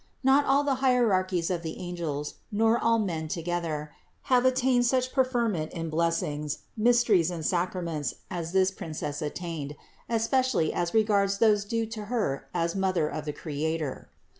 Not all the hierarchies of the angels, nor all men together, have attained such preferment in blessings, mysteries and sacraments as this Princess attained, especially as regards those due to Her as Mother of the Creator 28.